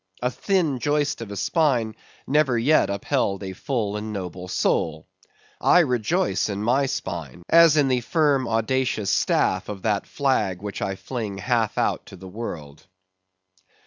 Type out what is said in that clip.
A thin joist of a spine never yet upheld a full and noble soul. I rejoice in my spine, as in the firm audacious staff of that flag which I fling half out to the world.